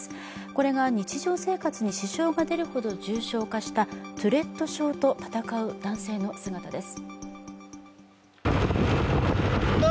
これが、日常生活に支障が出るほど重症化したトゥレット症と闘う男性の姿です。